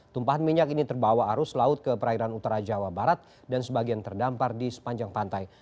tumpahan minyak ini terbawa arus laut ke perairan utara jawa barat dan sebagian terdampar di sepanjang pantai